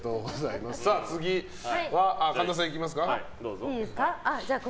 次は、神田さん行きますか。